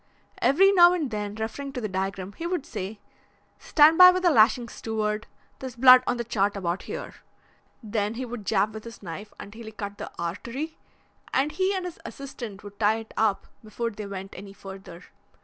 Every now and then, referring to the diagram, he would say: 'Stand by with the lashings, steward. There's blood on the chart about here.' Then he would jab with his knife until he cut the artery, and he and his assistant would tie it up before they went any further.